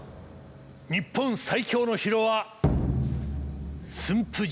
日本最強の城は駿府城。